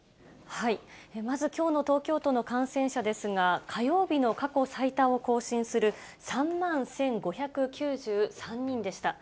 まず、きょうの東京都の感染者ですが、火曜日の過去最多を更新する３万１５９３人でした。